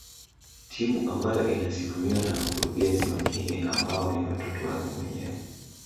Timu ambayo inasimamiwa na wakurugenzi makini ambao ni watoto wake mwenyewe